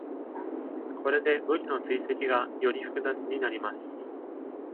これで武器の追跡がより複雑になります。